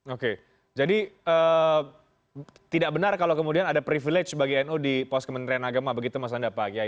oke jadi tidak benar kalau kemudian ada privilege bagi nu di pos kementerian agama begitu mas anda pak kiai